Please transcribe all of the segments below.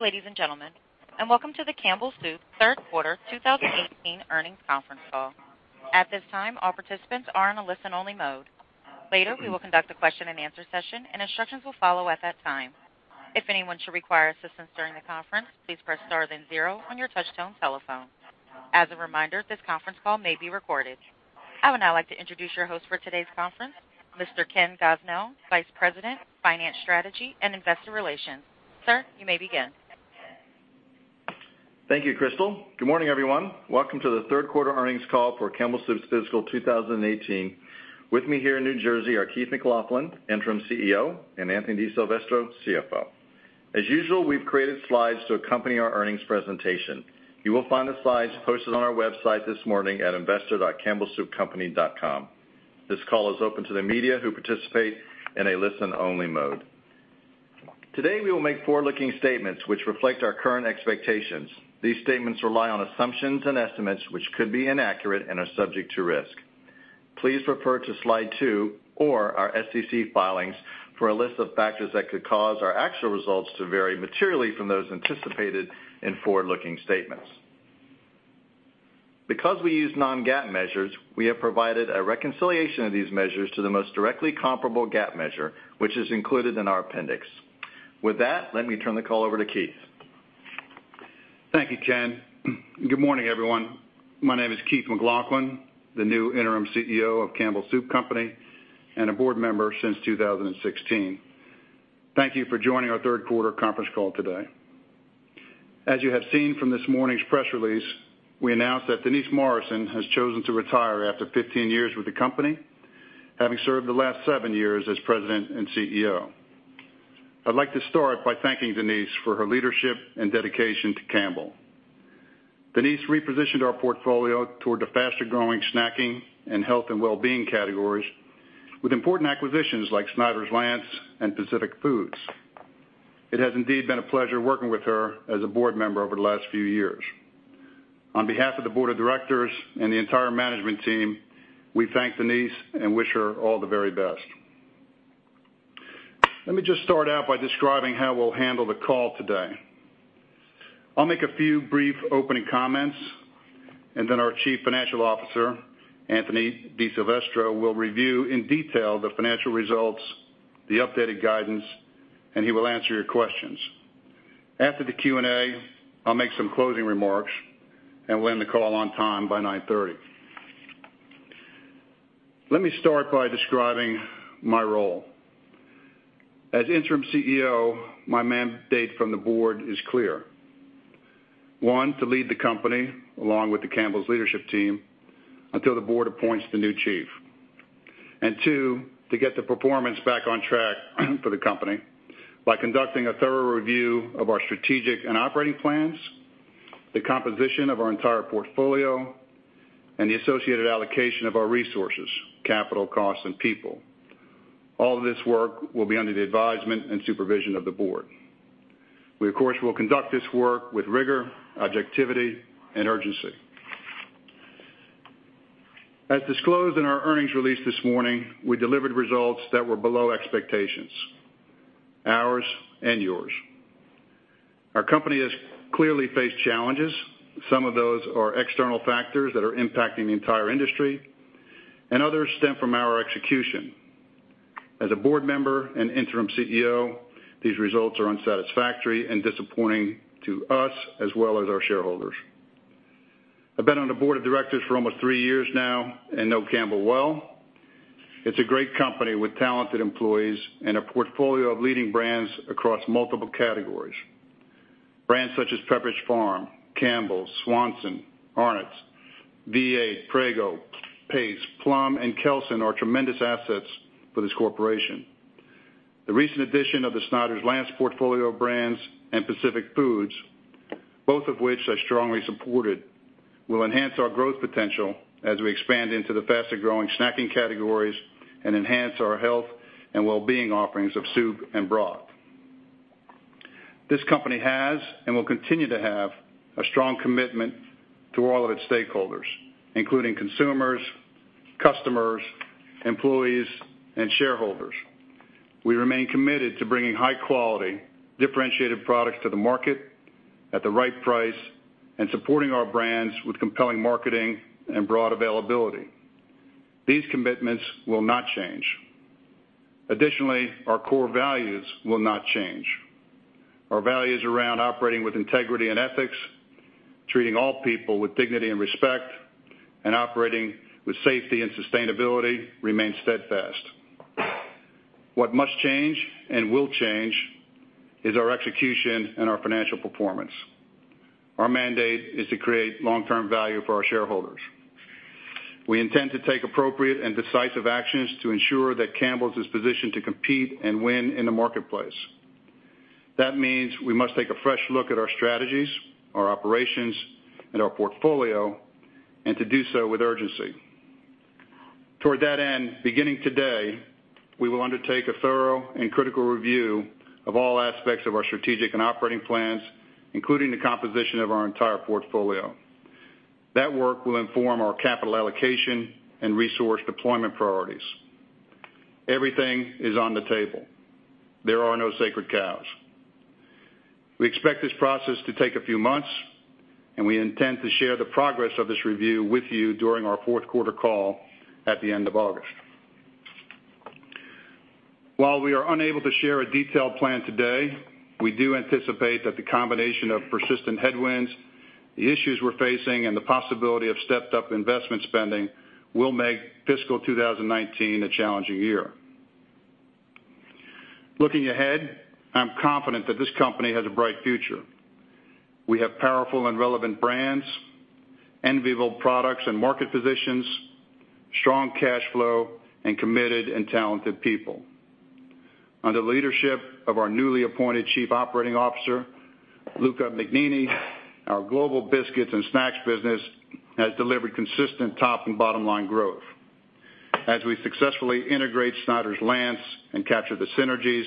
Ladies and gentlemen, welcome to the Campbell Soup third quarter 2018 earnings conference call. At this time, all participants are in a listen-only mode. Later, we will conduct a question and answer session, and instructions will follow at that time. If anyone should require assistance during the conference, please press star then zero on your touch-tone telephone. As a reminder, this conference call may be recorded. I would now like to introduce your host for today's conference, Mr. Ken Gosnell, Vice President of Finance Strategy and Investor Relations. Sir, you may begin. Thank you, Crystal. Good morning, everyone. Welcome to the third quarter earnings call for Campbell Soup's fiscal 2018. With me here in New Jersey are Keith McLoughlin, Interim CEO, and Anthony DiSilvestro, CFO. As usual, we've created slides to accompany our earnings presentation. You will find the slides posted on our website this morning at investor.campbellsoupcompany.com. This call is open to the media who participate in a listen-only mode. Today we will make forward-looking statements which reflect our current expectations. These statements rely on assumptions and estimates which could be inaccurate and are subject to risk. Please refer to Slide 2 or our SEC filings for a list of factors that could cause our actual results to vary materially from those anticipated in forward-looking statements. Because we use non-GAAP measures, we have provided a reconciliation of these measures to the most directly comparable GAAP measure, which is included in our appendix. With that, let me turn the call over to Keith. Thank you, Ken. Good morning, everyone. My name is Keith McLoughlin, the new Interim CEO of Campbell Soup Company and a board member since 2016. Thank you for joining our third quarter conference call today. As you have seen from this morning's press release, we announced that Denise Morrison has chosen to retire after 15 years with the company, having served the last seven years as President and CEO. I'd like to start by thanking Denise for her leadership and dedication to Campbell. Denise repositioned our portfolio toward the faster-growing snacking and health and wellbeing categories with important acquisitions like Snyder's-Lance and Pacific Foods. It has indeed been a pleasure working with her as a board member over the last few years. On behalf of the board of directors and the entire management team, we thank Denise and wish her all the very best. Let me just start out by describing how we'll handle the call today. I'll make a few brief opening comments. Then our Chief Financial Officer, Anthony DiSilvestro, will review in detail the financial results, the updated guidance, and he will answer your questions. After the Q&A, I'll make some closing remarks, and we'll end the call on time by 9:30. Let me start by describing my role. As interim CEO, my mandate from the board is clear. One, to lead the company along with the Campbell's leadership team until the board appoints the new chief. Two, to get the performance back on track for the company by conducting a thorough review of our strategic and operating plans, the composition of our entire portfolio, and the associated allocation of our resources, capital, costs, and people. All of this work will be under the advisement and supervision of the board. We, of course, will conduct this work with rigor, objectivity, and urgency. As disclosed in our earnings release this morning, we delivered results that were below expectations, ours and yours. Our company has clearly faced challenges. Some of those are external factors that are impacting the entire industry, and others stem from our execution. As a board member and interim CEO, these results are unsatisfactory and disappointing to us as well as our shareholders. I've been on the board of directors for almost three years now and know Campbell's well. It's a great company with talented employees and a portfolio of leading brands across multiple categories. Brands such as Pepperidge Farm, Campbell's, Swanson, Arnott's, V8, Prego, Pace, Plum, and Kelsen are tremendous assets for this corporation. The recent addition of the Snyder's-Lance portfolio brands and Pacific Foods, both of which I strongly supported, will enhance our growth potential as we expand into the faster-growing snacking categories and enhance our health and wellbeing offerings of soup and broth. This company has and will continue to have a strong commitment to all of its stakeholders, including consumers, customers, employees, and shareholders. We remain committed to bringing high-quality, differentiated products to the market at the right price and supporting our brands with compelling marketing and broad availability. These commitments will not change. Additionally, our core values will not change. Our values around operating with integrity and ethics, treating all people with dignity and respect, and operating with safety and sustainability remain steadfast. What must change and will change is our execution and our financial performance. Our mandate is to create long-term value for our shareholders. We intend to take appropriate and decisive actions to ensure that Campbell's is positioned to compete and win in the marketplace. That means we must take a fresh look at our strategies, our operations, and our portfolio, and to do so with urgency. Toward that end, beginning today, we will undertake a thorough and critical review of all aspects of our strategic and operating plans, including the composition of our entire portfolio. That work will inform our capital allocation and resource deployment priorities. Everything is on the table. There are no sacred cows. We expect this process to take a few months, and we intend to share the progress of this review with you during our fourth quarter call at the end of August. While we are unable to share a detailed plan today, we do anticipate that the combination of persistent headwinds, the issues we're facing, and the possibility of stepped-up investment spending will make fiscal 2019 a challenging year. Looking ahead, I'm confident that this company has a bright future. We have powerful and relevant brands, enviable products and market positions, strong cash flow, and committed and talented people. Under the leadership of our newly appointed Chief Operating Officer, Luca Mignini, our Global Biscuits and Snacks business has delivered consistent top and bottom-line growth. As we successfully integrate Snyder's-Lance and capture the synergies,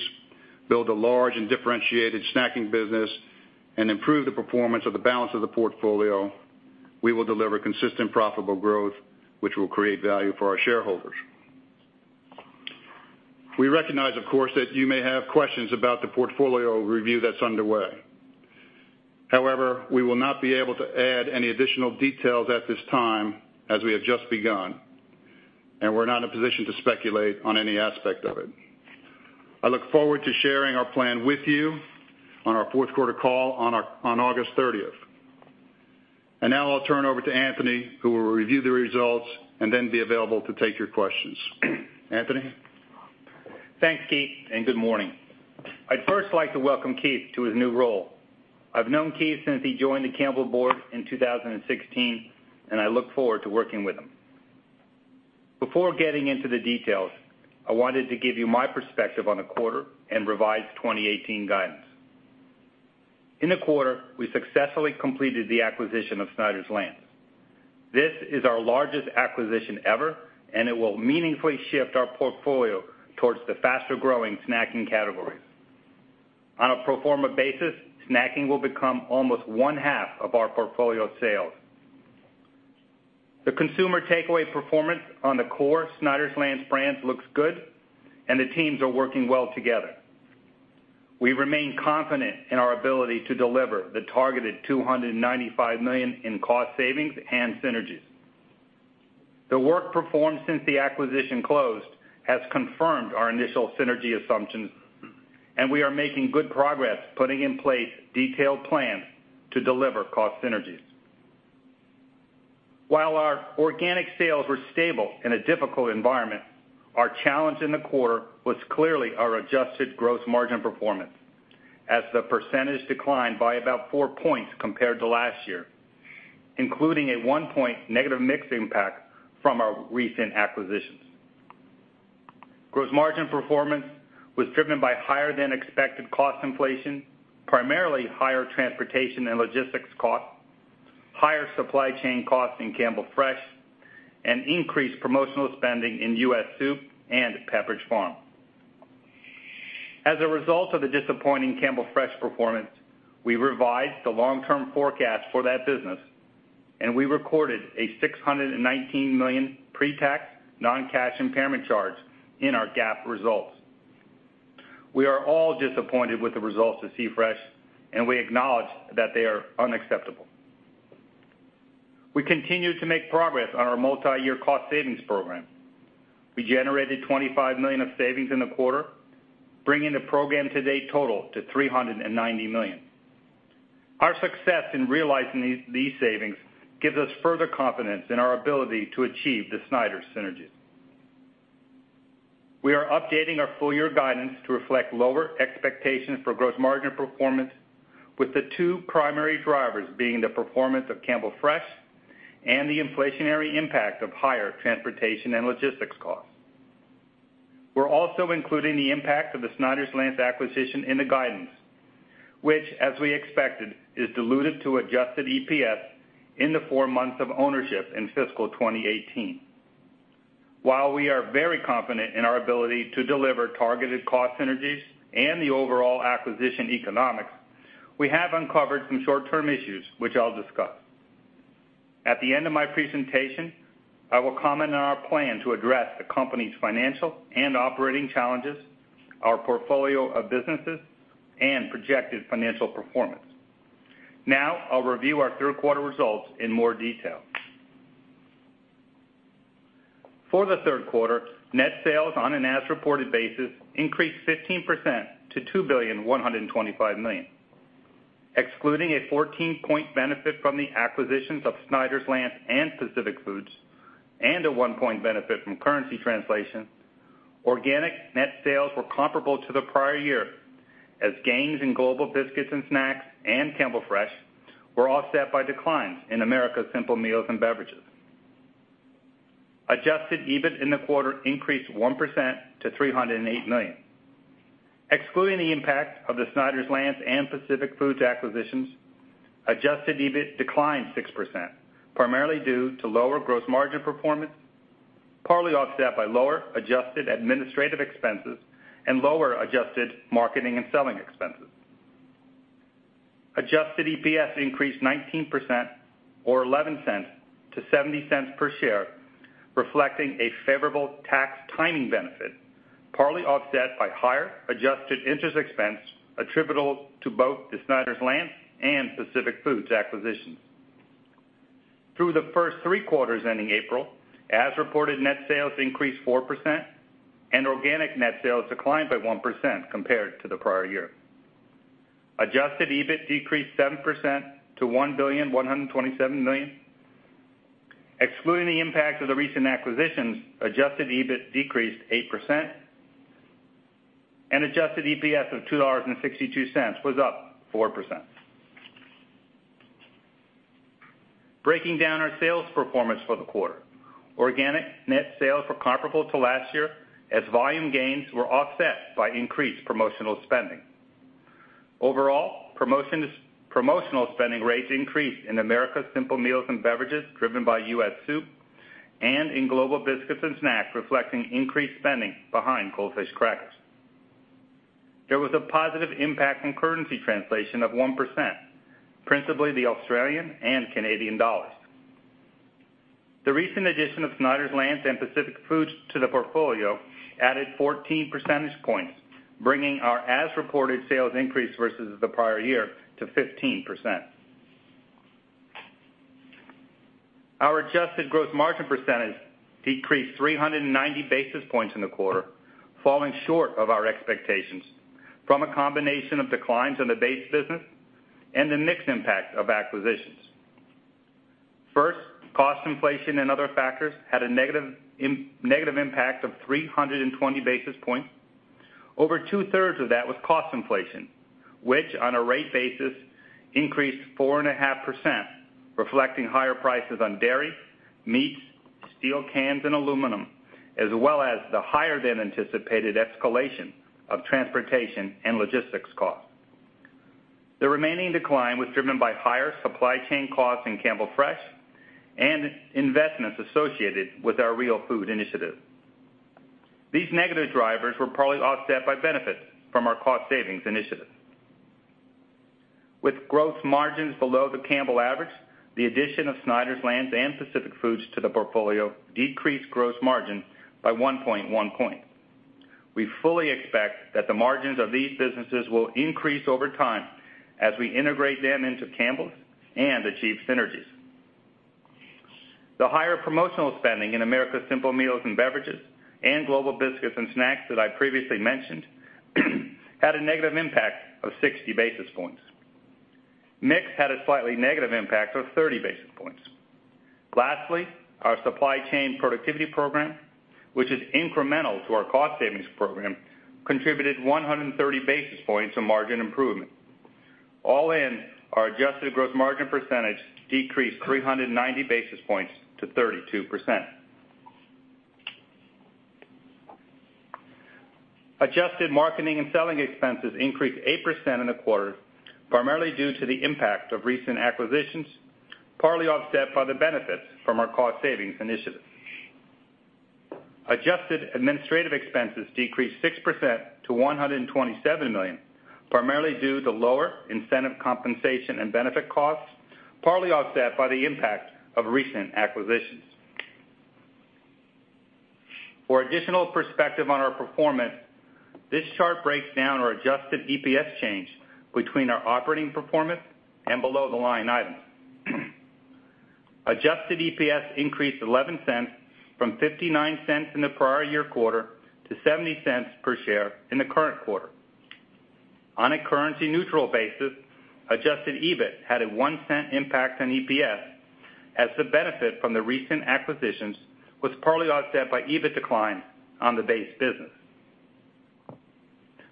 build a large and differentiated snacking business, and improve the performance of the balance of the portfolio, we will deliver consistent profitable growth, which will create value for our shareholders. We recognize, of course, that you may have questions about the portfolio review that's underway. However, we will not be able to add any additional details at this time as we have just begun, and we're not in a position to speculate on any aspect of it. I look forward to sharing our plan with you on our fourth quarter call on August 30th. Now I'll turn over to Anthony, who will review the results and then be available to take your questions. Anthony? Thanks, Keith, and good morning. I'd first like to welcome Keith to his new role. I've known Keith since he joined the Campbell board in 2016, and I look forward to working with him. Before getting into the details, I wanted to give you my perspective on the quarter and revised 2018 guidance. In the quarter, we successfully completed the acquisition of Snyder's-Lance. This is our largest acquisition ever, and it will meaningfully shift our portfolio towards the faster-growing snacking categories. On a pro forma basis, snacking will become almost one-half of our portfolio sales. The consumer takeaway performance on the core Snyder's-Lance brands looks good, and the teams are working well together. We remain confident in our ability to deliver the targeted $295 million in cost savings and synergies. The work performed since the acquisition closed has confirmed our initial synergy assumptions. We are making good progress putting in place detailed plans to deliver cost synergies. While our organic sales were stable in a difficult environment, our challenge in the quarter was clearly our adjusted gross margin performance as the percentage declined by about four points compared to last year, including a one-point negative mix impact from our recent acquisitions. Gross margin performance was driven by higher than expected cost inflation, primarily higher transportation and logistics costs, higher supply chain costs in Campbell Fresh, and increased promotional spending in US Soup and Pepperidge Farm. As a result of the disappointing Campbell Fresh performance, we revised the long-term forecast for that business. We recorded a $619 million pre-tax non-cash impairment charge in our GAAP results. We are all disappointed with the results of C-Fresh, and we acknowledge that they are unacceptable. We continue to make progress on our multi-year cost savings program. We generated $25 million of savings in the quarter, bringing the program to date total to $390 million. Our success in realizing these savings gives us further confidence in our ability to achieve the Snyder's synergies. We are updating our full-year guidance to reflect lower expectations for gross margin performance with the two primary drivers being the performance of Campbell Fresh and the inflationary impact of higher transportation and logistics costs. We are also including the impact of the Snyder's-Lance acquisition in the guidance, which, as we expected, is dilutive to adjusted EPS in the four months of ownership in fiscal 2018. We are very confident in our ability to deliver targeted cost synergies and the overall acquisition economics, we have uncovered some short-term issues, which I will discuss. At the end of my presentation, I will comment on our plan to address the company's financial and operating challenges, our portfolio of businesses, and projected financial performance. Now, I will review our third quarter results in more detail. For the third quarter, net sales on an as-reported basis increased 15% to $2,125,000,000. Excluding a 14-point benefit from the acquisitions of Snyder's-Lance and Pacific Foods, and a one-point benefit from currency translation, organic net sales were comparable to the prior year, as gains in Global Biscuits and Snacks and Campbell Fresh were offset by declines in Americas Simple Meals and Beverages. Adjusted EBIT in the quarter increased 1% to $308 million. Excluding the impact of the Snyder's-Lance and Pacific Foods acquisitions, adjusted EBIT declined 6%, primarily due to lower gross margin performance, partly offset by lower adjusted administrative expenses and lower adjusted marketing and selling expenses. Adjusted EPS increased 19% or $0.11 to $0.70 per share, reflecting a favorable tax timing benefit, partly offset by higher adjusted interest expense attributable to both the Snyder's-Lance and Pacific Foods acquisitions. Through the first three quarters ending April, as reported net sales increased 4% and organic net sales declined by 1% compared to the prior year. Adjusted EBIT decreased 7% to $1,127,000,000. Excluding the impact of the recent acquisitions, adjusted EBIT decreased 8%, and adjusted EPS of $2.62 was up 4%. Breaking down our sales performance for the quarter, organic net sales were comparable to last year as volume gains were offset by increased promotional spending. Overall, promotional spending rates increased in Americas Simple Meals and Beverages, driven by US Soup, and in Global Biscuits and Snacks, reflecting increased spending behind Goldfish crackers. There was a positive impact from currency translation of 1%, principally the Australian and Canadian dollars. The recent addition of Snyder's-Lance and Pacific Foods to the portfolio added 14 percentage points, bringing our as-reported sales increase versus the prior year to 15%. Our adjusted gross margin percentage decreased 390 basis points in the quarter, falling short of our expectations from a combination of declines in the base business and the mix impact of acquisitions. First, cost inflation and other factors had a negative impact of 320 basis points. Over two-thirds of that was cost inflation, which on a rate basis increased 4.5%, reflecting higher prices on dairy, meats, steel cans and aluminum, as well as the higher than anticipated escalation of transportation and logistics costs. The remaining decline was driven by higher supply chain costs in Campbell Fresh and investments associated with our Real Food Philosophy. These negative drivers were partly offset by benefits from our cost savings initiative. With gross margins below the Campbell average, the addition of Snyder's-Lance and Pacific Foods to the portfolio decreased gross margin by 1.1 point. We fully expect that the margins of these businesses will increase over time as we integrate them into Campbell's and achieve synergies. The higher promotional spending in Americas Simple Meals and Beverages and Global Biscuits and Snacks that I previously mentioned, had a negative impact of 60 basis points. Mix had a slightly negative impact of 30 basis points. Lastly, our supply chain productivity program, which is incremental to our cost savings program, contributed 130 basis points to margin improvement. All in, our adjusted gross margin percentage decreased 390 basis points to 32%. Adjusted marketing and selling expenses increased 8% in the quarter, primarily due to the impact of recent acquisitions, partly offset by the benefits from our cost savings initiative. Adjusted administrative expenses decreased 6% to $127 million, primarily due to lower incentive compensation and benefit costs, partly offset by the impact of recent acquisitions. For additional perspective on our performance, this chart breaks down our adjusted EPS change between our operating performance and below-the-line items. Adjusted EPS increased $0.11 from $0.59 in the prior year quarter to $0.70 per share in the current quarter. On a currency-neutral basis, adjusted EBIT had a $0.01 impact on EPS as the benefit from the recent acquisitions was partly offset by EBIT decline on the base business.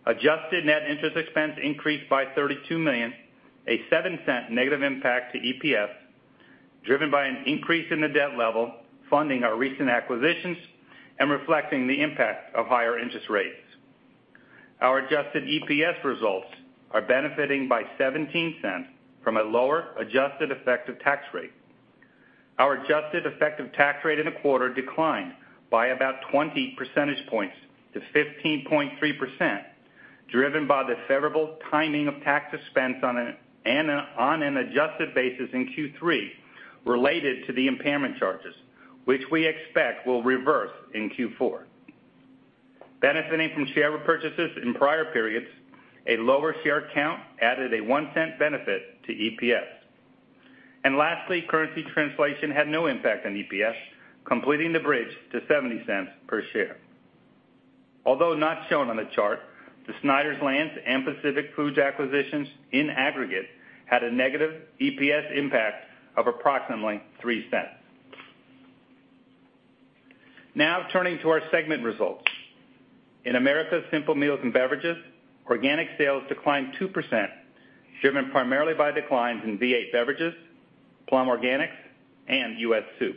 Adjusted net interest expense increased by $32 million, a $0.07 negative impact to EPS, driven by an increase in the debt level, funding our recent acquisitions and reflecting the impact of higher interest rates. Our adjusted EPS results are benefiting by $0.17 from a lower adjusted effective tax rate. Our adjusted effective tax rate in the quarter declined by about 20 percentage points to 15.3%, driven by the favorable timing of tax expense on an adjusted basis in Q3 related to the impairment charges, which we expect will reverse in Q4. Benefiting from share repurchases in prior periods, a lower share count added a $0.01 benefit to EPS. Lastly, currency translation had no impact on EPS, completing the bridge to $0.70 per share. Although not shown on the chart, the Snyder's-Lance and Pacific Foods acquisitions in aggregate had a negative EPS impact of approximately $0.03. Turning to our segment results. In Americas Simple Meals and Beverages, organic sales declined 2%, driven primarily by declines in V8 Beverages, Plum Organics and US Soup.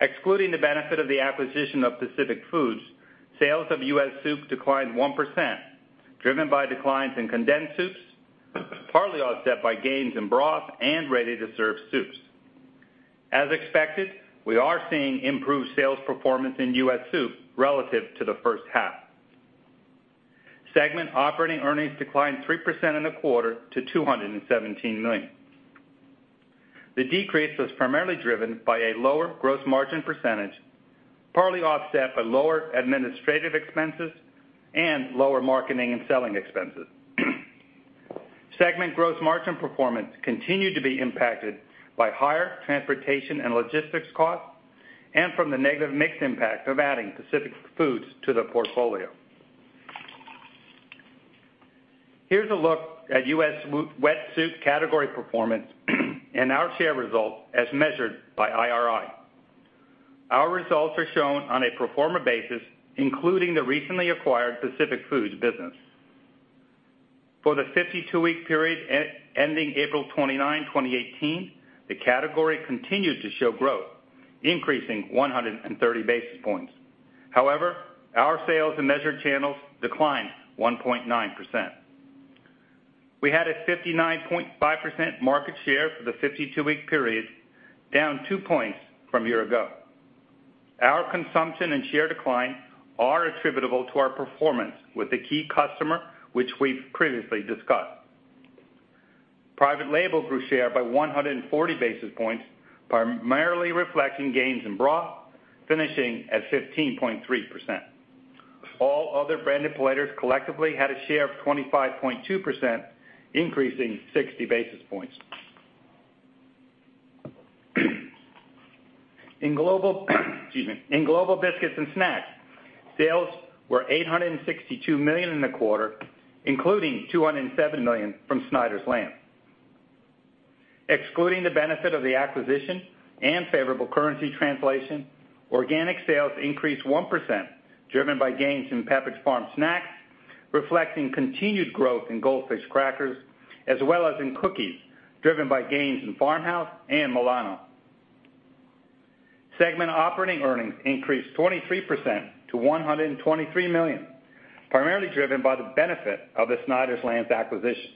Excluding the benefit of the acquisition of Pacific Foods, sales of US Soup declined 1%, driven by declines in condensed soups, partly offset by gains in broth and ready-to-serve soups. As expected, we are seeing improved sales performance in US Soup relative to the first half. Segment operating earnings declined 3% in the quarter to $217 million. The decrease was primarily driven by a lower gross margin percentage, partly offset by lower administrative expenses and lower marketing and selling expenses. Segment gross margin performance continued to be impacted by higher transportation and logistics costs and from the negative mix impact of adding Pacific Foods to the portfolio. Here's a look at US Wet Soup category performance and our share results as measured by IRI. Our results are shown on a pro forma basis, including the recently acquired Pacific Foods business. For the 52-week period ending April 29, 2018, the category continued to show growth, increasing 130 basis points. However, our sales in measured channels declined 1.9%. We had a 59.5% market share for the 52-week period, down two points from a year ago. Our consumption and share decline are attributable to our performance with a key customer, which we've previously discussed. Private label grew share by 140 basis points, primarily reflecting gains in broth, finishing at 15.3%. All other branded competitors collectively had a share of 25.2%, increasing 60 basis points. In Global Biscuits and Snacks, sales were $862 million in the quarter, including $207 million from Snyder's-Lance. Excluding the benefit of the acquisition and favorable currency translation, organic sales increased 1%, driven by gains in Pepperidge Farm snacks, reflecting continued growth in Goldfish crackers, as well as in cookies, driven by gains in Farmhouse and Milano. Segment operating earnings increased 23% to $123 million, primarily driven by the benefit of the Snyder's-Lance acquisition.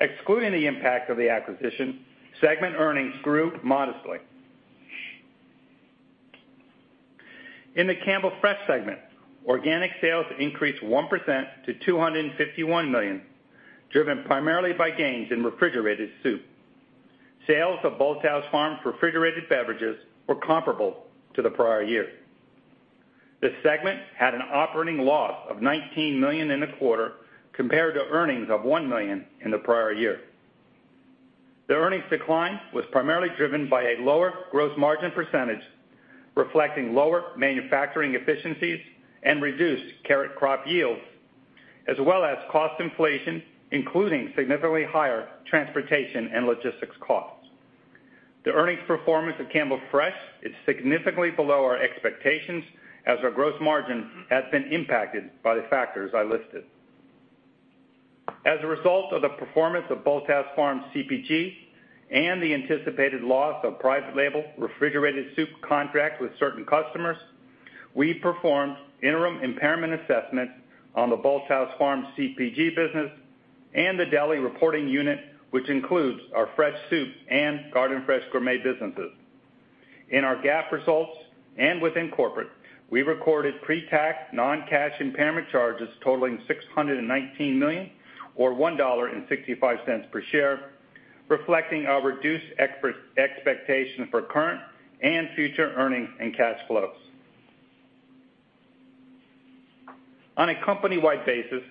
Excluding the impact of the acquisition, segment earnings grew modestly. In the Campbell Fresh segment, organic sales increased 1% to $251 million, driven primarily by gains in refrigerated soup. Sales of Bolthouse Farms refrigerated beverages were comparable to the prior year. This segment had an operating loss of $19 million in the quarter, compared to earnings of $1 million in the prior year. The earnings decline was primarily driven by a lower gross margin percentage, reflecting lower manufacturing efficiencies and reduced carrot crop yields, as well as cost inflation, including significantly higher transportation and logistics costs. The earnings performance of Campbell Fresh is significantly below our expectations, as our gross margin has been impacted by the factors I listed. As a result of the performance of Bolthouse Farms CPG and the anticipated loss of private label refrigerated soup contract with certain customers, we performed interim impairment assessments on the Bolthouse Farms CPG business and the deli reporting unit, which includes our fresh soup and Garden Fresh Gourmet businesses. In our GAAP results and within corporate, we recorded pre-tax non-cash impairment charges totaling $619 million or $1.65 per share, reflecting our reduced expectation for current and future earnings and cash flows. On a company-wide basis,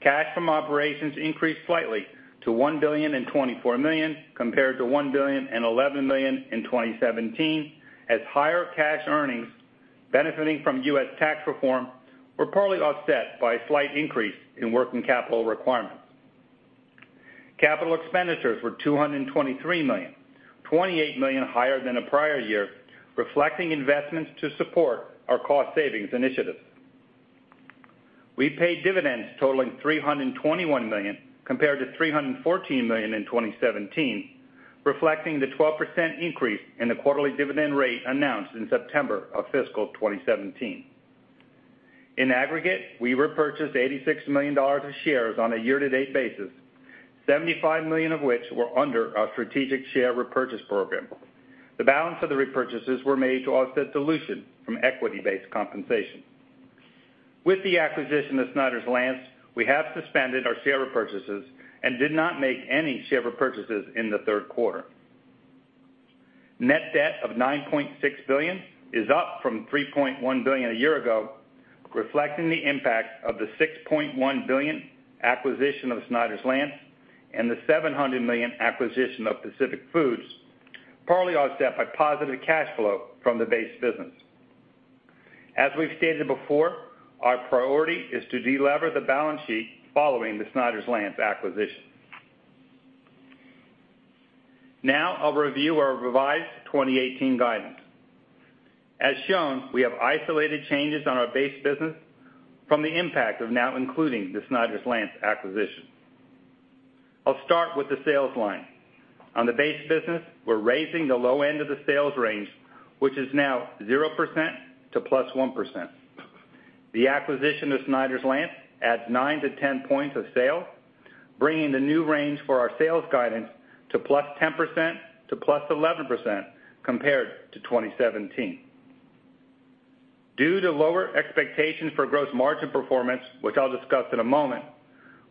cash from operations increased slightly to $1,024 million compared to $1,011 million in 2017, as higher cash earnings benefiting from U.S. tax reform were partly offset by a slight increase in working capital requirements. Capital expenditures were $223 million, $28 million higher than the prior year, reflecting investments to support our cost savings initiative. We paid dividends totaling $321 million compared to $314 million in 2017, reflecting the 12% increase in the quarterly dividend rate announced in September of fiscal 2017. In aggregate, we repurchased $86 million of shares on a year-to-date basis, $75 million of which were under our strategic share repurchase program. The balance of the repurchases were made to offset dilution from equity-based compensation. With the acquisition of Snyder's-Lance, we have suspended our share repurchases and did not make any share repurchases in the third quarter. Net debt of $9.6 billion is up from $3.1 billion a year ago, reflecting the impact of the $6.1 billion acquisition of Snyder's-Lance and the $700 million acquisition of Pacific Foods, partly offset by positive cash flow from the base business. As we've stated before, our priority is to delever the balance sheet following the Snyder's-Lance acquisition. I'll review our revised 2018 guidance. As shown, we have isolated changes on our base business from the impact of now including the Snyder's-Lance acquisition. I'll start with the sales line. On the base business, we're raising the low end of the sales range, which is now 0% to +1%. The acquisition of Snyder's-Lance adds nine to 10 points of sale, bringing the new range for our sales guidance to +10% to +11% compared to 2017. Due to lower expectations for gross margin performance, which I'll discuss in a moment,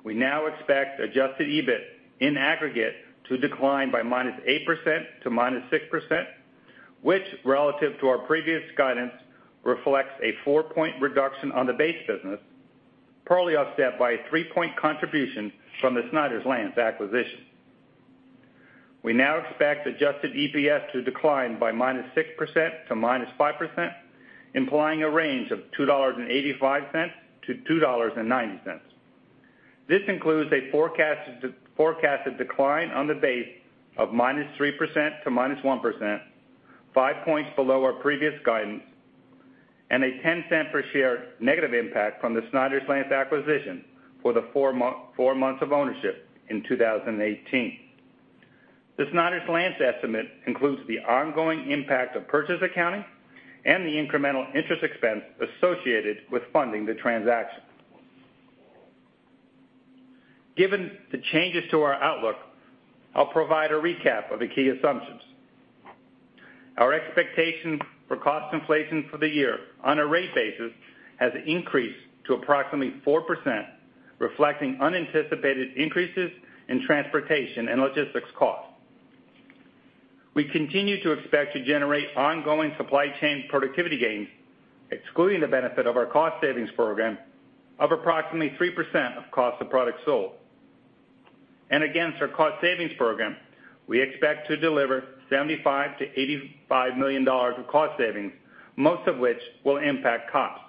we now expect adjusted EBIT in aggregate to decline by -8% to -6%, which relative to our previous guidance reflects a four-point reduction on the base business, partly offset by a three-point contribution from the Snyder's-Lance acquisition. We now expect adjusted EPS to decline by -6% to -5%, implying a range of $2.85 to $2.90. This includes a forecasted decline on the base of -3% to -1%, 5 points below our previous guidance, and a $0.10 per share negative impact from the Snyder's-Lance acquisition for the 4 months of ownership in 2018. The Snyder's-Lance estimate includes the ongoing impact of purchase accounting and the incremental interest expense associated with funding the transaction. Given the changes to our outlook, I'll provide a recap of the key assumptions. Our expectation for cost inflation for the year on a rate basis has increased to approximately 4%, reflecting unanticipated increases in transportation and logistics cost. We continue to expect to generate ongoing supply chain productivity gains, excluding the benefit of our cost savings program, of approximately 3% of cost of products sold. Against our cost savings program, we expect to deliver $75 million to $85 million of cost savings, most of which will impact costs.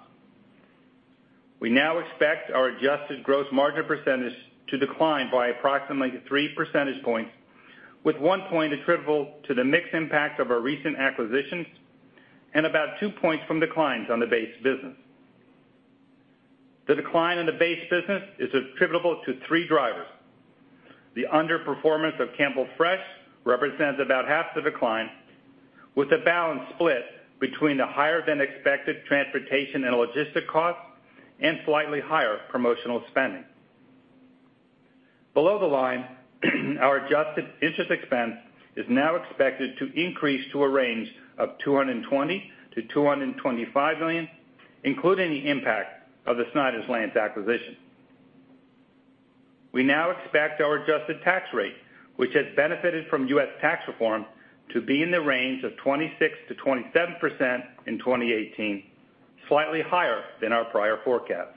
We now expect our adjusted gross margin percentage to decline by approximately 3 percentage points with 1 point attributable to the mix impact of our recent acquisitions and about 2 points from declines on the base business. The decline in the base business is attributable to 3 drivers. The underperformance of Campbell Fresh represents about half the decline, with the balance split between the higher-than-expected transportation and logistic costs and slightly higher promotional spending. Below the line, our adjusted interest expense is now expected to increase to a range of $220 million to $225 million, including the impact of the Snyder's-Lance acquisition. We now expect our adjusted tax rate, which has benefited from U.S. tax reform, to be in the range of 26%-27% in 2018, slightly higher than our prior forecast.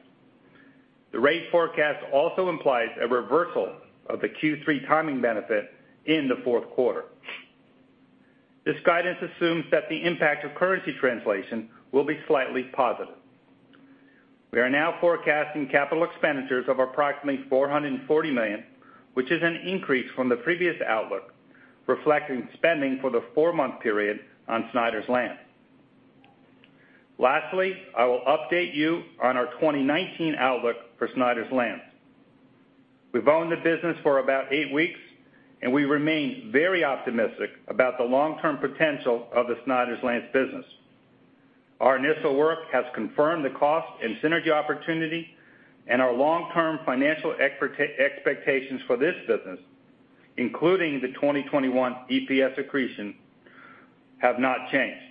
The rate forecast also implies a reversal of the Q3 timing benefit in the fourth quarter. This guidance assumes that the impact of currency translation will be slightly positive. We are now forecasting capital expenditures of approximately $440 million, which is an increase from the previous outlook, reflecting spending for the 4-month period on Snyder's-Lance. Lastly, I will update you on our 2019 outlook for Snyder's-Lance. We've owned the business for about 8 weeks, and we remain very optimistic about the long-term potential of the Snyder's-Lance business. Our initial work has confirmed the cost and synergy opportunity and our long-term financial expectations for this business, including the 2021 EPS accretion, have not changed.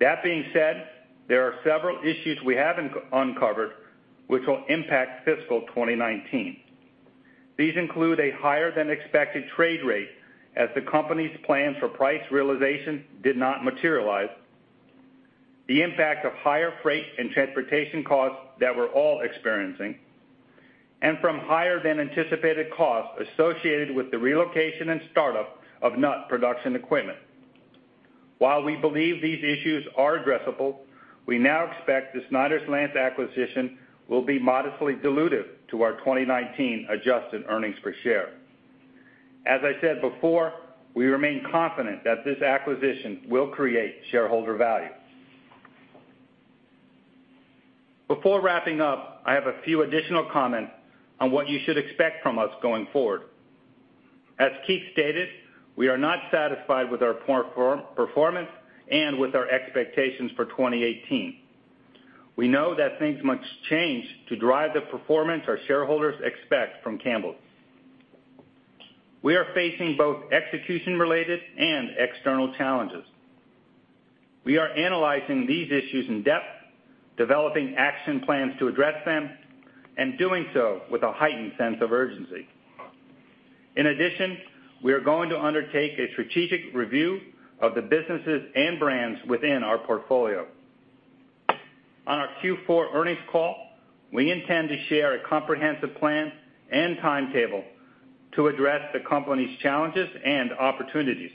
That being said, there are several issues we have uncovered which will impact fiscal 2019. These include a higher-than-expected trade rate as the company's plan for price realization did not materialize; the impact of higher freight and transportation costs that we're all experiencing; and from higher-than-anticipated costs associated with the relocation and startup of nut production equipment. While we believe these issues are addressable, we now expect the Snyder's-Lance acquisition will be modestly dilutive to our 2019 adjusted earnings per share. As I said before, we remain confident that this acquisition will create shareholder value. Before wrapping up, I have a few additional comments on what you should expect from us going forward. As Keith stated, we are not satisfied with our performance and with our expectations for 2018. We know that things must change to drive the performance our shareholders expect from Campbell. We are facing both execution-related and external challenges. We are analyzing these issues in depth, developing action plans to address them, and doing so with a heightened sense of urgency. In addition, we are going to undertake a strategic review of the businesses and brands within our portfolio. On our Q4 earnings call, we intend to share a comprehensive plan and timetable to address the company's challenges and opportunities.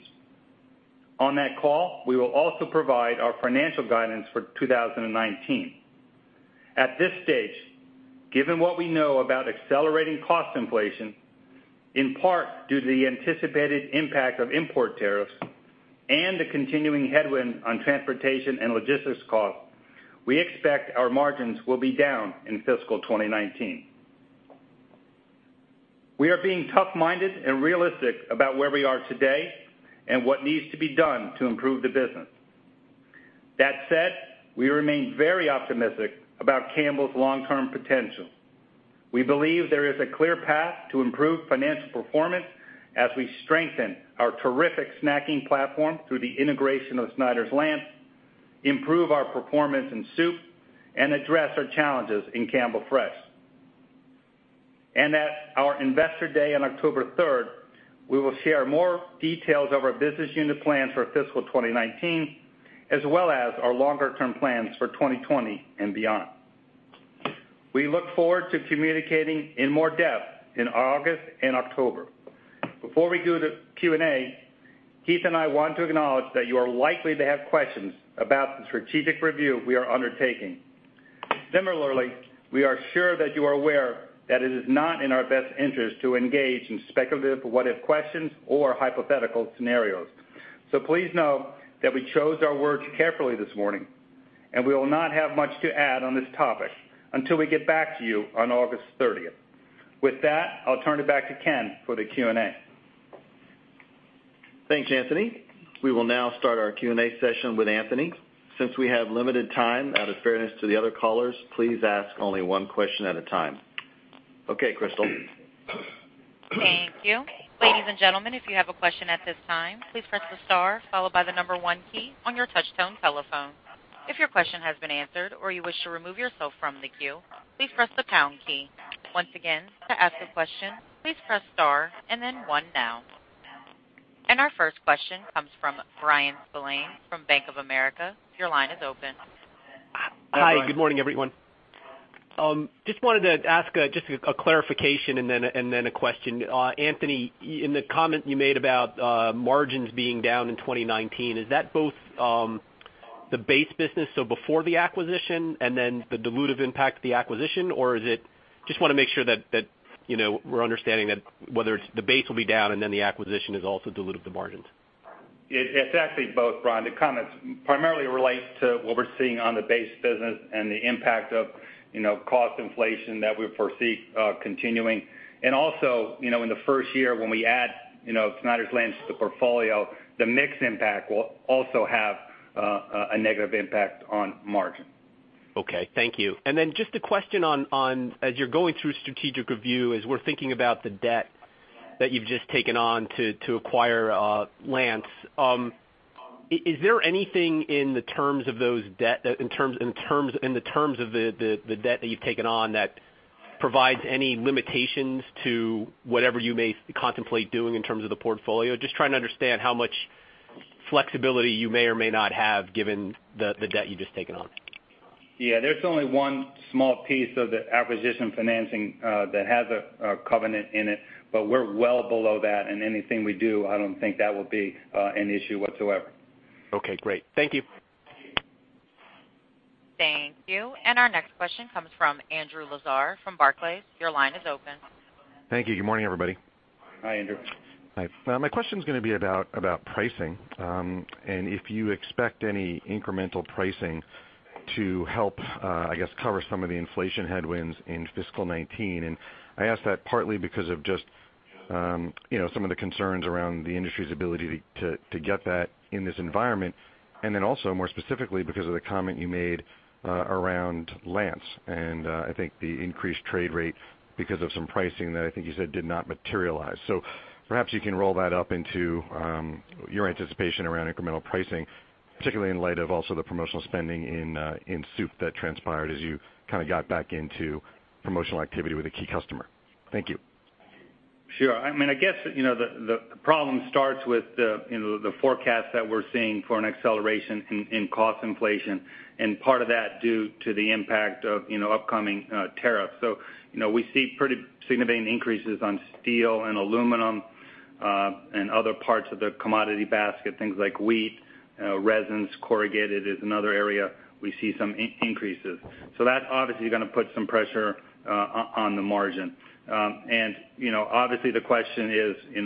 On that call, we will also provide our financial guidance for 2019. At this stage, given what we know about accelerating cost inflation, in part due to the anticipated impact of import tariffs and the continuing headwind on transportation and logistics costs, we expect our margins will be down in fiscal 2019. We are being tough-minded and realistic about where we are today and what needs to be done to improve the business. That said, we remain very optimistic about Campbell's long-term potential. We believe there is a clear path to improve financial performance as we strengthen our terrific snacking platform through the integration of Snyder's-Lance, improve our performance in soup, and address our challenges in Campbell Fresh. At our Investor Day on October 3rd, we will share more details of our business unit plans for fiscal 2019, as well as our longer-term plans for 2020 and beyond. We look forward to communicating in more depth in August and October. Before we go to Q&A, Keith and I want to acknowledge that you are likely to have questions about the strategic review we are undertaking. Similarly, we are sure that you are aware that it is not in our best interest to engage in speculative what-if questions or hypothetical scenarios. Please know that we chose our words carefully this morning, and we will not have much to add on this topic until we get back to you on August 30th. With that, I'll turn it back to Ken for the Q&A. Thanks, Anthony. We will now start our Q&A session with Anthony. Since we have limited time, out of fairness to the other callers, please ask only one question at a time. Okay, Crystal. Thank you. Ladies and gentlemen, if you have a question at this time, please press the star followed by the number one key on your touch-tone telephone. If your question has been answered or you wish to remove yourself from the queue, please press the pound key. Once again, to ask a question, please press star and then one now. Our first question comes from Bryan Spillane from Bank of America. Your line is open. Hi, good morning, everyone. Just wanted to ask just a clarification and then a question. Anthony, in the comment you made about margins being down in 2019, is that both the base business, so before the acquisition, and then the dilutive impact of the acquisition, or Just want to make sure that we're understanding that whether it's the base will be down and then the acquisition has also diluted the margins. It's actually both, Bryan. The comments primarily relate to what we're seeing on the base business and the impact of cost inflation that we foresee continuing. Also, in the first year when we add Snyder's-Lance to the portfolio, the mix impact will also have a negative impact on margin. Okay, thank you. Then just a question on, as you're going through strategic review, as we're thinking about the debt that you've just taken on to acquire Lance. Is there anything in the terms of the debt that you've taken on that provides any limitations to whatever you may contemplate doing in terms of the portfolio? Just trying to understand how much flexibility you may or may not have given the debt you've just taken on. Yeah. There's only one small piece of the acquisition financing that has a covenant in it, but we're well below that, and anything we do, I don't think that will be an issue whatsoever. Okay, great. Thank you. Thank you. Our next question comes from Andrew Lazar from Barclays. Your line is open. Thank you. Good morning, everybody. Hi, Andrew. Hi. My question's going to be about pricing, and if you expect any incremental pricing to help, I guess, cover some of the inflation headwinds in fiscal 2019. I ask that partly because of just some of the concerns around the industry's ability to get that in this environment. Also more specifically because of the comment you made around Lance and, I think, the increased trade rate because of some pricing that I think you said did not materialize. Perhaps you can roll that up into your anticipation around incremental pricing, particularly in light of also the promotional spending in soup that transpired as you kind of got back into promotional activity with a key customer. Thank you. Sure. I guess the problem starts with the forecast that we're seeing for an acceleration in cost inflation and part of that due to the impact of upcoming tariffs. We see pretty significant increases on steel and aluminum, and other parts of the commodity basket, things like wheat, resins, corrugated is another area we see some increases. That's obviously going to put some pressure on the margin. Obviously the question is,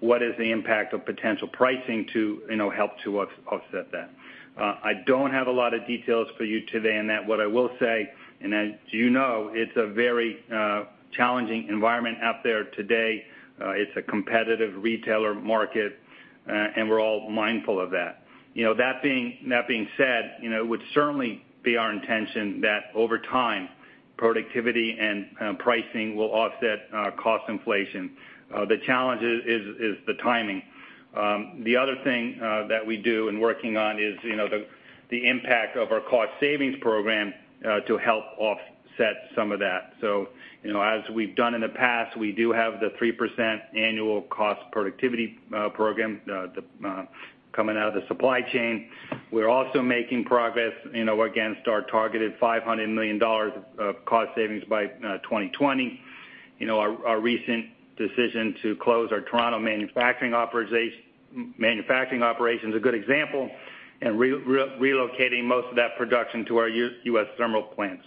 what is the impact of potential pricing to help to offset that? I don't have a lot of details for you today on that. What I will say, and as you know, it's a very challenging environment out there today. It's a competitive retailer market, and we're all mindful of that. That being said, it would certainly be our intention that over time, productivity and pricing will offset cost inflation. The challenge is the timing. The other thing that we do and working on is the impact of our cost savings program to help offset some of that. As we've done in the past, we do have the 3% annual cost productivity program coming out of the supply chain. We are also making progress against our targeted $500 million of cost savings by 2020. Our recent decision to close our Toronto manufacturing operation is a good example, and relocating most of that production to our U.S. Thermal plant.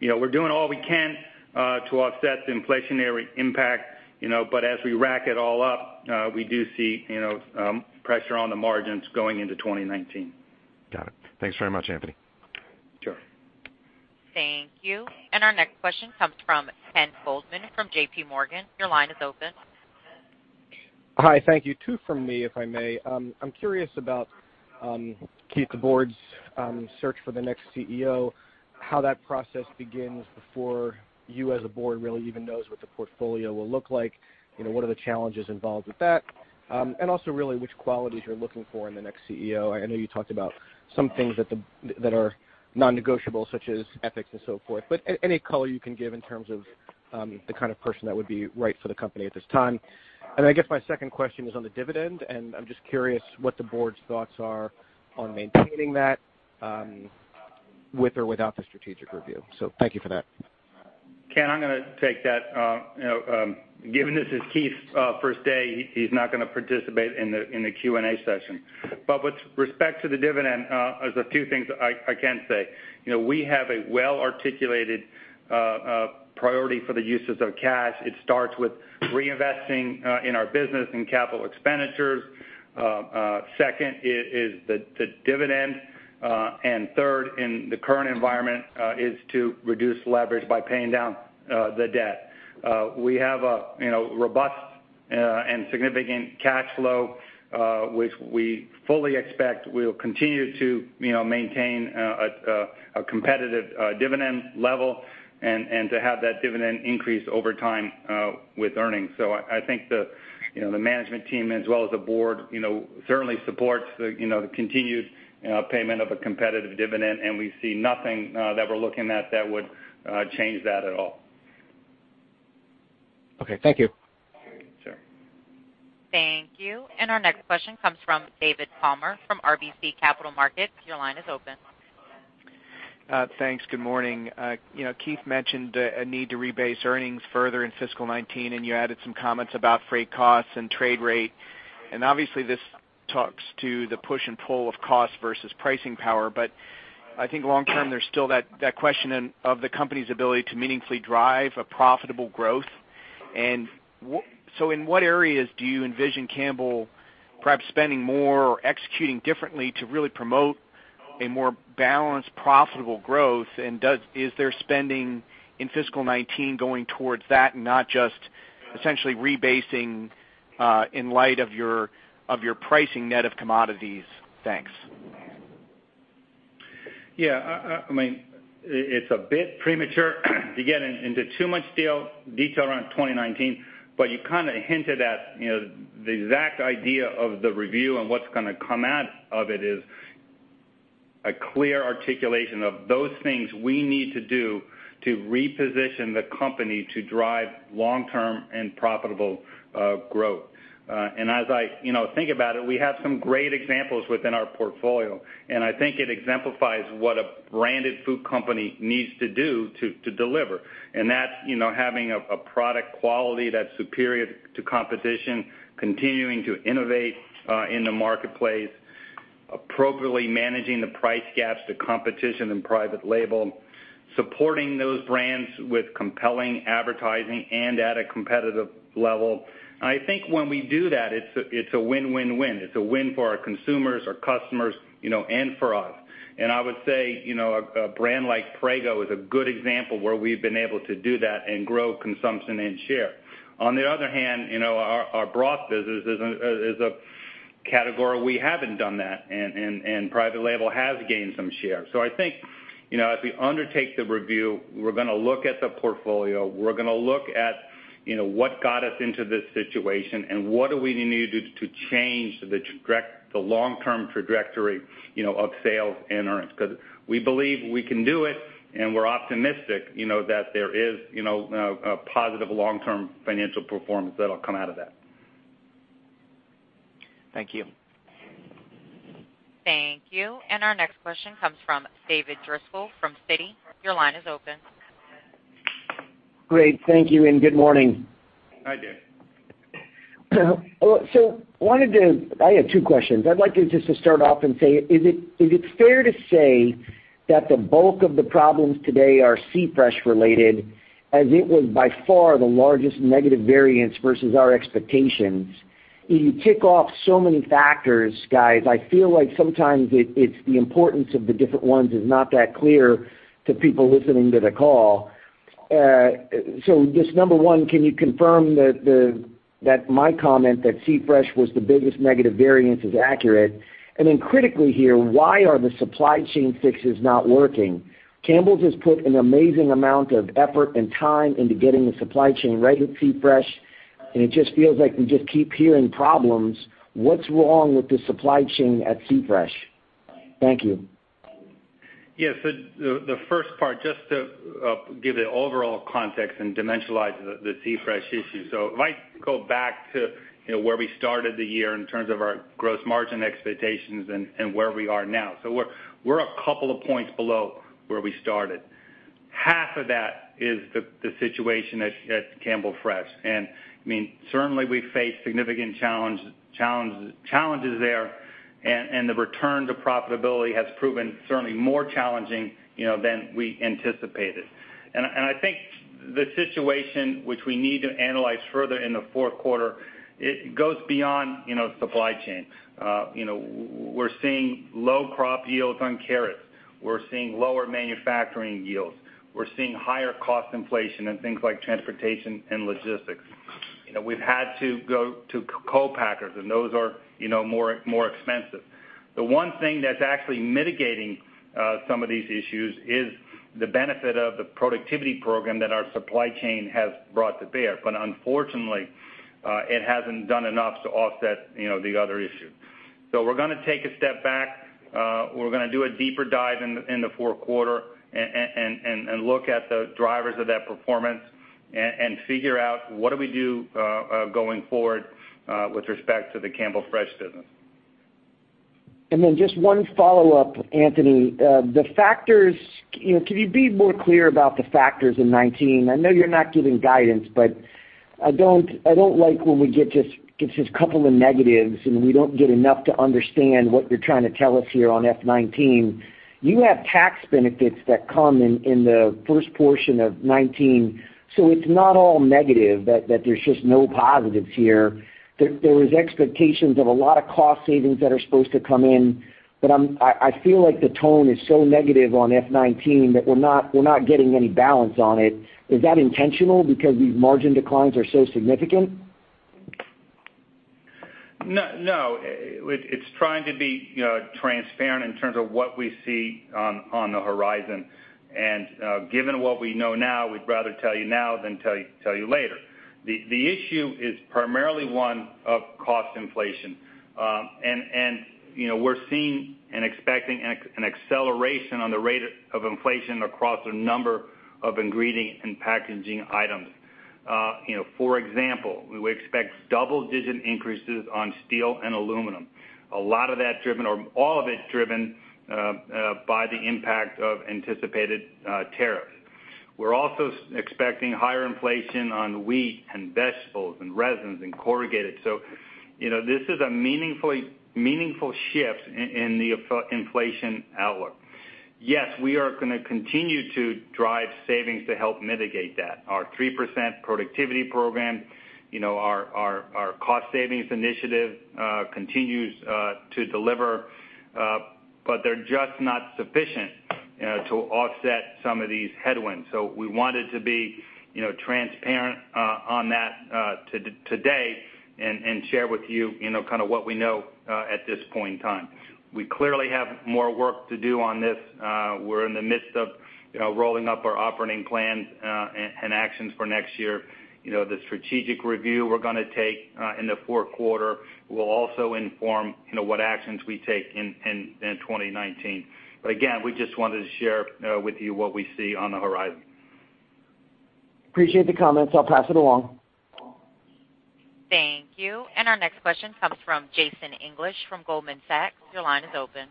We are doing all we can to offset the inflationary impact, but as we rack it all up, we do see pressure on the margins going into 2019. Got it. Thanks very much, Anthony. Sure. Thank you. Our next question comes from Ken Goldman from JPMorgan. Your line is open. Hi, thank you. Two from me, if I may. I am curious about Keith McLoughlin's search for the next CEO, how that process begins before you as a board really even knows what the portfolio will look like. What are the challenges involved with that? Also really which qualities you are looking for in the next CEO. I know you talked about some things that are non-negotiable, such as ethics and so forth, but any color you can give in terms of the kind of person that would be right for the company at this time. I guess my second question is on the dividend, and I am just curious what the board's thoughts are on maintaining that, with or without the strategic review. Thank you for that. Ken, I'm going to take that. Given this is Keith's first day, he's not going to participate in the Q&A session. With respect to the dividend, there's a few things I can say. We have a well-articulated priority for the uses of cash. It starts with reinvesting in our business and capital expenditures. Second is the dividend. Third, in the current environment, is to reduce leverage by paying down the debt. We have a robust and significant cash flow, which we fully expect we'll continue to maintain a competitive dividend level and to have that dividend increase over time with earnings. I think the management team, as well as the board certainly supports the continued payment of a competitive dividend, and we see nothing that we're looking at that would change that at all. Okay, thank you. Sure. Thank you. Our next question comes from David Palmer from RBC Capital Markets. Your line is open. Thanks. Good morning. Keith mentioned a need to rebase earnings further in fiscal 2019, you added some comments about freight costs and trade rate. Obviously this talks to the push and pull of cost versus pricing power. I think long term, there's still that question of the company's ability to meaningfully drive a profitable growth. In what areas do you envision Campbell's perhaps spending more or executing differently to really promote a more balanced, profitable growth? Is their spending in fiscal 2019 going towards that and not just essentially rebasing in light of your pricing net of commodities? Thanks. Yeah. It's a bit premature to get into too much detail around 2019, you kind of hinted at the exact idea of the review and what's going to come out of it is a clear articulation of those things we need to do to reposition the company to drive long-term and profitable growth. As I think about it, we have some great examples within our portfolio, and I think it exemplifies what a branded food company needs to do to deliver. That's having a product quality that's superior to competition, continuing to innovate in the marketplace, appropriately managing the price gaps to competition and private label, supporting those brands with compelling advertising and at a competitive level. I think when we do that, it's a win-win-win. It's a win for our consumers, our customers, and for us. I would say, a brand like Prego is a good example where we've been able to do that and grow consumption and share. On the other hand, our broth business is a category we haven't done that, and private label has gained some share. I think, as we undertake the review, we're going to look at the portfolio, we're going to look at what got us into this situation and what do we need to do to change the long-term trajectory of sales and earnings. Because we believe we can do it and we're optimistic that there is a positive long-term financial performance that'll come out of that. Thank you. Thank you. Our next question comes from David Driscoll from Citi. Your line is open. Great. Thank you, and good morning. Hi, Dave. I have two questions. I'd like to just start off and say, is it fair to say that the bulk of the problems today are C-Fresh related, as it was by far the largest negative variance versus our expectations? You tick off so many factors, guys, I feel like sometimes the importance of the different ones is not that clear to people listening to the call. Just number one, can you confirm that my comment that C-Fresh was the biggest negative variance is accurate? Critically here, why are the supply chain fixes not working? Campbell's has put an amazing amount of effort and time into getting the supply chain right at C-Fresh. It just feels like we just keep hearing problems. What's wrong with the supply chain at C-Fresh? Thank you. The first part, just to give the overall context and dimensionalize the C-Fresh issue. If I go back to where we started the year in terms of our gross margin expectations and where we are now. We're a couple of points below where we started. Half of that is the situation at Campbell Fresh. Certainly we face significant challenges there, and the return to profitability has proven certainly more challenging than we anticipated. I think the situation which we need to analyze further in the fourth quarter, it goes beyond supply chain. We're seeing low crop yields on carrots. We're seeing lower manufacturing yields. We're seeing higher cost inflation in things like transportation and logistics. We've had to go to co-packers. Those are more expensive. The one thing that's actually mitigating some of these issues is the benefit of the productivity program that our supply chain has brought to bear. Unfortunately, it hasn't done enough to offset the other issue. We're going to take a step back. We're going to do a deeper dive in the fourth quarter and look at the drivers of that performance and figure out what do we do going forward with respect to the Campbell Fresh business. Then just one follow-up, Anthony. Can you be more clear about the factors in 2019? I know you're not giving guidance, I don't like when it's just a couple of negatives, and we don't get enough to understand what you're trying to tell us here on FY 2019. You have tax benefits that come in the first portion of 2019, it's not all negative, that there's just no positives here. There is expectations of a lot of cost savings that are supposed to come in, I feel like the tone is so negative on FY 2019 that we're not getting any balance on it. Is that intentional because these margin declines are so significant? No. It's trying to be transparent in terms of what we see on the horizon. Given what we know now, we'd rather tell you now than tell you later. The issue is primarily one of cost inflation. We're seeing and expecting an acceleration on the rate of inflation across a number of ingredient and packaging items. For example, we expect double-digit increases on steel and aluminum. A lot of that driven, or all of it driven by the impact of anticipated tariffs. We're also expecting higher inflation on wheat and vegetables and resins and corrugated. This is a meaningful shift in the inflation outlook. Yes, we are going to continue to drive savings to help mitigate that. Our 3% productivity program, our cost savings initiative continues to deliver, they're just not sufficient to offset some of these headwinds. We wanted to be transparent on that today and share with you kind of what we know at this point in time. We clearly have more work to do on this. We're in the midst of rolling up our operating plans and actions for next year. The strategic review we're going to take in the fourth quarter will also inform what actions we take in 2019. Again, we just wanted to share with you what we see on the horizon. Appreciate the comments. I'll pass it along. Thank you. Our next question comes from Jason English from Goldman Sachs. Your line is open.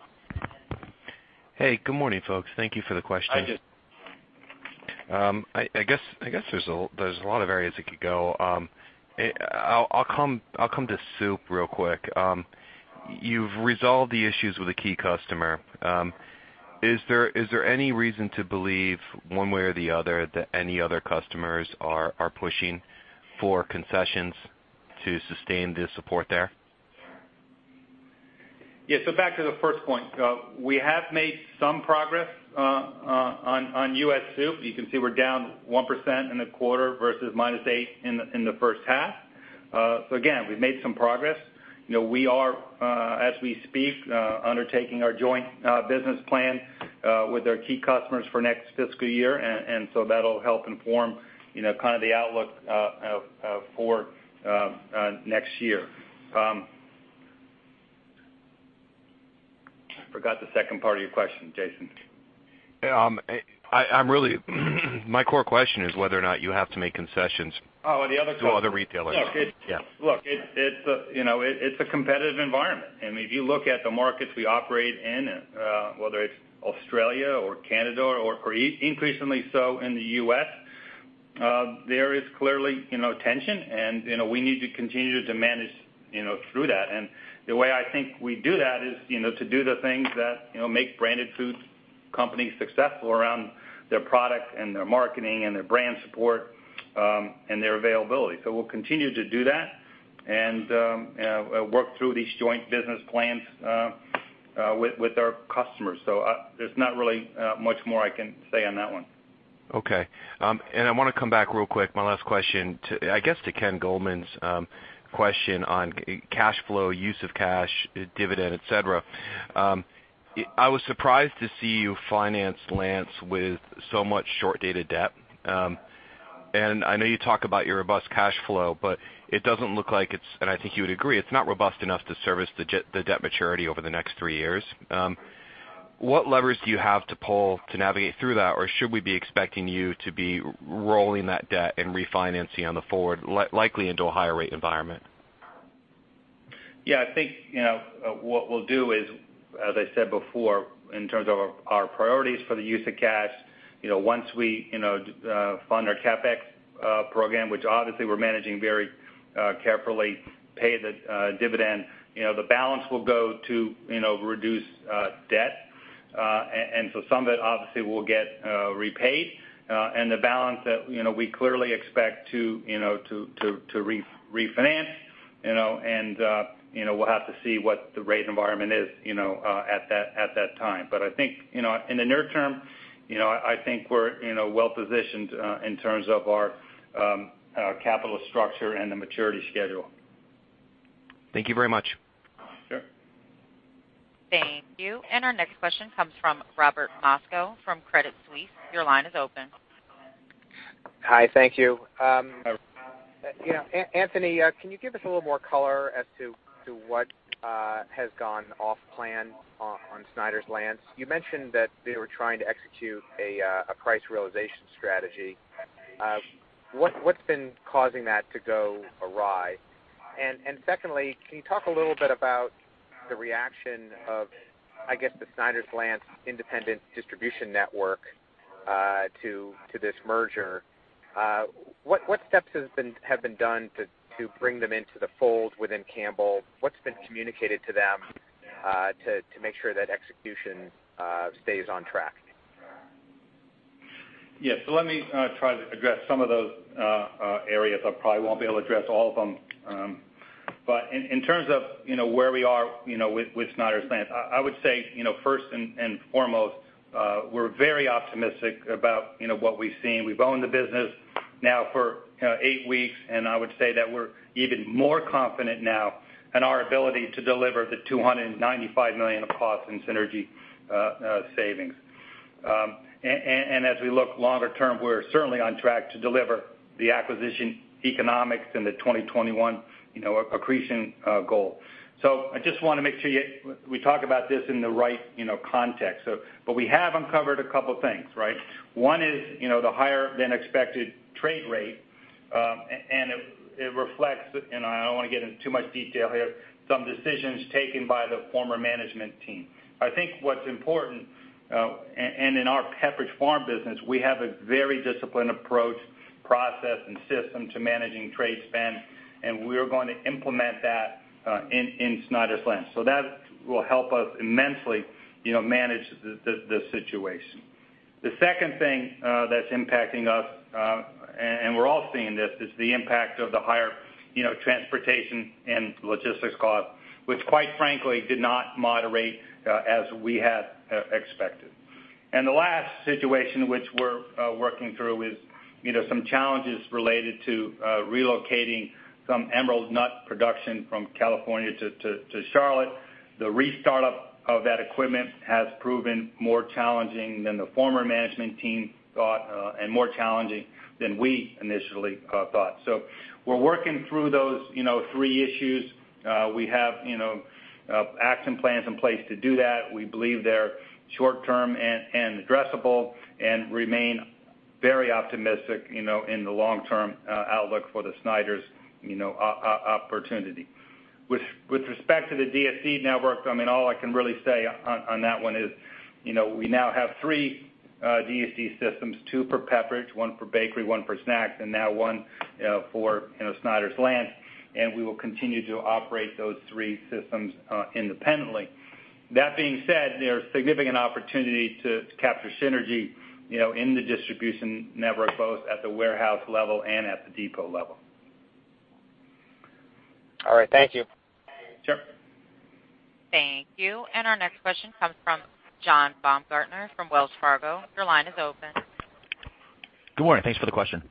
Hey, good morning, folks. Thank you for the question. Hi, Jason. I guess there's a lot of areas that could go. I'll come to soup real quick. You've resolved the issues with a key customer. Is there any reason to believe one way or the other that any other customers are pushing for concessions to sustain the support there? Yeah. Back to the first point. We have made some progress on US Soup. You can see we're down 1% in the quarter versus -8% in the first half. Again, we've made some progress. We are, as we speak, undertaking our joint business plan with our key customers for next fiscal year, that'll help inform kind of the outlook for next year. I forgot the second part of your question, Jason. My core question is whether or not you have to make concessions- Oh, on the other two to other retailers. Yeah. Look, it's a competitive environment. If you look at the markets we operate in, whether it's Australia or Canada or increasingly so in the U.S., there is clearly tension, we need to continue to manage through that. The way I think we do that is to do the things that make branded foods companies successful around their product and their marketing and their brand support and their availability. We'll continue to do that and work through these joint business plans with our customers. There's not really much more I can say on that one. Okay. I want to come back real quick, my last question, I guess to Kenneth Goldman's question on cash flow, use of cash, dividend, et cetera. I was surprised to see you finance Lance with so much short-dated debt. I know you talk about your robust cash flow, but it doesn't look like it's, and I think you would agree, it's not robust enough to service the debt maturity over the next three years. What levers do you have to pull to navigate through that? Should we be expecting you to be rolling that debt and refinancing on the forward, likely into a higher rate environment? Yeah, I think what we'll do is, as I said before, in terms of our priorities for the use of cash, once we fund our CapEx program, which obviously we're managing very carefully, pay the dividend, the balance will go to reduce debt. Some of it obviously will get repaid, and the balance that we clearly expect to refinance, and we'll have to see what the rate environment is at that time. I think in the near term, I think we're well-positioned in terms of our capital structure and the maturity schedule. Thank you very much. Sure. Thank you. Our next question comes from Robert Moskow from Credit Suisse. Your line is open. Hi, thank you. Sure. Anthony, can you give us a little more color as to what has gone off plan on Snyder's-Lance? You mentioned that they were trying to execute a price realization strategy. What's been causing that to go awry? Secondly, can you talk a little bit about the reaction of, I guess, the Snyder's-Lance independent distribution network to this merger? What steps have been done to bring them into the fold within Campbell's? What's been communicated to them to make sure that execution stays on track? Yes, let me try to address some of those areas. I probably won't be able to address all of them. In terms of where we are with Snyder's-Lance, I would say first and foremost, we're very optimistic about what we've seen. We've owned the business now for eight weeks, and I would say that we're even more confident now in our ability to deliver the $295 million of cost and synergy savings. As we look longer term, we're certainly on track to deliver the acquisition economics and the 2021 accretion goal. I just want to make sure we talk about this in the right context. We have uncovered a couple things, right? One is the higher than expected trade rate. It reflects, I don't want to get into too much detail here, some decisions taken by the former management team. I think what's important, in our Pepperidge Farm business, we have a very disciplined approach, process, and system to managing trade spend, and we are going to implement that in Snyder's-Lance. That will help us immensely manage the situation. The second thing that's impacting us, we're all seeing this, is the impact of the higher transportation and logistics cost, which quite frankly did not moderate as we had expected. The last situation which we're working through is some challenges related to relocating some Emerald nut production from California to Charlotte. The restart of that equipment has proven more challenging than the former management team thought and more challenging than we initially thought. We're working through those three issues. We have action plans in place to do that. We believe they're short-term and addressable and remain very optimistic in the long-term outlook for the Snyder's opportunity. With respect to the DSD network, all I can really say on that one is we now have three DSD systems, two for Pepperidge, one for bakery, one for snacks, and now one for Snyder's-Lance, and we will continue to operate those three systems independently. That being said, there's significant opportunity to capture synergy in the distribution network, both at the warehouse level and at the depot level. All right. Thank you. Sure. Thank you. Our next question comes from John Baumgartner from Wells Fargo. Your line is open. Good morning. Thanks for the question.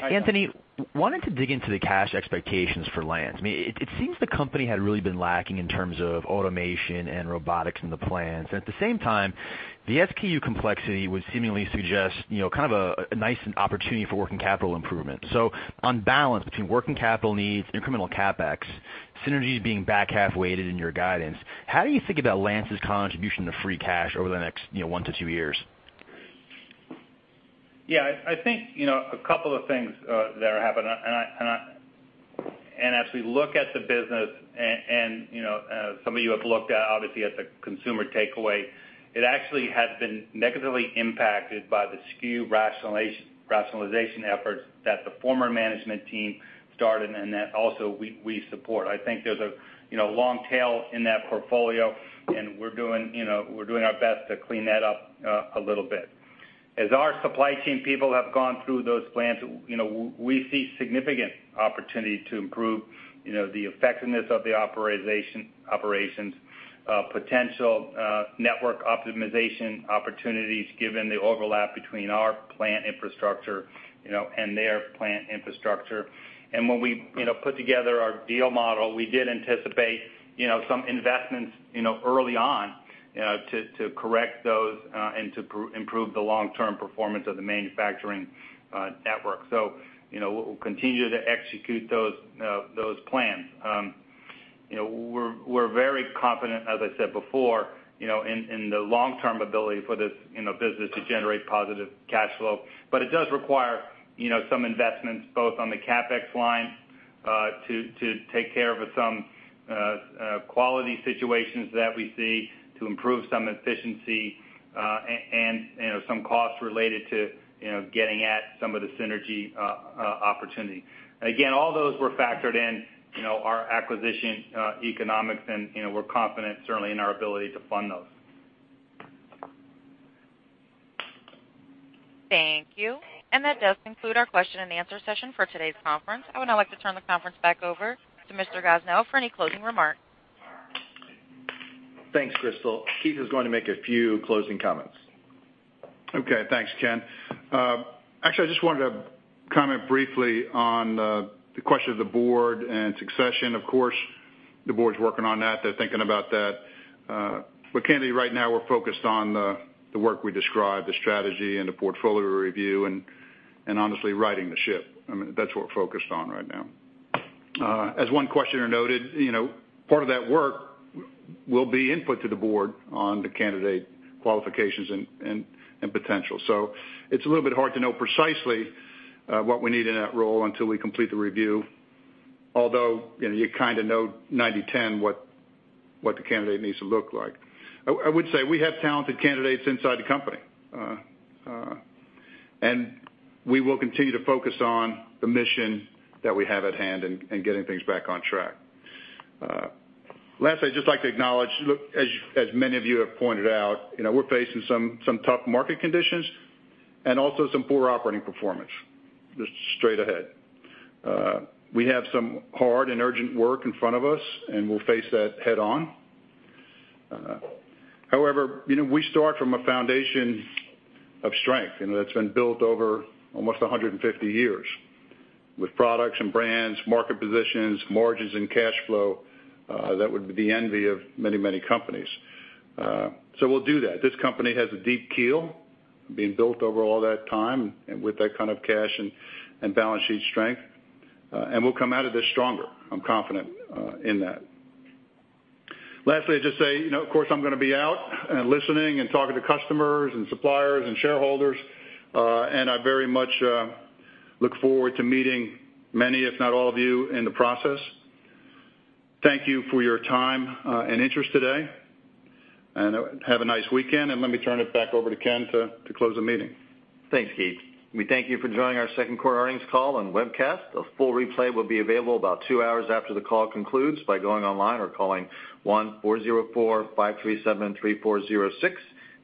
Hi, John. Anthony, wanted to dig into the cash expectations for Lance. It seems the company had really been lacking in terms of automation and robotics in the plants. At the same time, the SKU complexity would seemingly suggest kind of a nice opportunity for working capital improvement. On balance between working capital needs, incremental CapEx, synergies being back half weighted in your guidance, how do you think about Lance's contribution to free cash over the next one to two years? I think a couple of things there happened. As we look at the business, and some of you have looked obviously at the consumer takeaway, it actually has been negatively impacted by the SKU rationalization efforts that the former management team started and that also we support. I think there's a long tail in that portfolio, and we're doing our best to clean that up a little bit. As our supply chain people have gone through those plans, we see significant opportunity to improve the effectiveness of the operations, potential network optimization opportunities given the overlap between our plant infrastructure and their plant infrastructure. When we put together our deal model, we did anticipate some investments early on to correct those and to improve the long-term performance of the manufacturing network. We'll continue to execute those plans. We're very confident, as I said before, in the long-term ability for this business to generate positive cash flow. It does require some investments both on the CapEx line to take care of some quality situations that we see to improve some efficiency And some costs related to getting at some of the synergy opportunity. Again, all those were factored in our acquisition economics, and we're confident certainly in our ability to fund those. Thank you. That does conclude our question and answer session for today's conference. I would now like to turn the conference back over to Mr. Gosnell for any closing remarks. Thanks, Crystal. Keith is going to make a few closing comments. Okay. Thanks, Ken. Actually, I just wanted to comment briefly on the question of the board and succession. Of course, the board's working on that. They're thinking about that. Candidly, right now, we're focused on the work we described, the strategy and the portfolio review, and honestly, righting the ship. That's what we're focused on right now. As one questioner noted, part of that work will be input to the board on the candidate qualifications and potential. It's a little bit hard to know precisely what we need in that role until we complete the review. Although, you kind of know 90/10 what the candidate needs to look like. I would say we have talented candidates inside the company. We will continue to focus on the mission that we have at hand and getting things back on track. Last, I'd just like to acknowledge, look, as many of you have pointed out, we're facing some tough market conditions and also some poor operating performance, just straight ahead. We have some hard and urgent work in front of us, and we'll face that head on. However, we start from a foundation of strength that's been built over almost 150 years with products and brands, market positions, margins, and cash flow that would be the envy of many, many companies. We'll do that. This company has a deep keel being built over all that time and with that kind of cash and balance sheet strength. We'll come out of this stronger. I'm confident in that. Lastly, I'd just say, of course I'm going to be out and listening and talking to customers and suppliers and shareholders. I very much look forward to meeting many, if not all of you in the process. Thank you for your time and interest today. Have a nice weekend, and let me turn it back over to Ken to close the meeting. Thanks, Keith. We thank you for joining our second quarter earnings call and webcast. A full replay will be available about two hours after the call concludes by going online or calling 1-404-537-3406.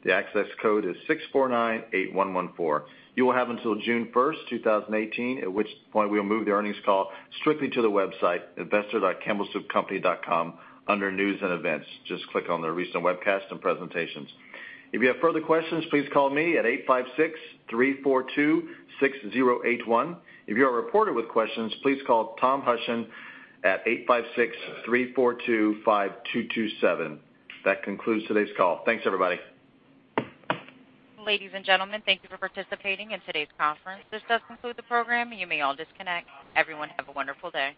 The access code is 6498114. You will have until June 1st, 2018, at which point we will move the earnings call strictly to the website, investor.campbellsoupcompany.com under News and Events. Just click on the recent webcasts and presentations. If you have further questions, please call me at 856-342-6081. If you are a reporter with questions, please call Thomas Hushen at 856-342-5227. That concludes today's call. Thanks, everybody. Ladies and gentlemen, thank you for participating in today's conference. This does conclude the program. You may all disconnect. Everyone have a wonderful day.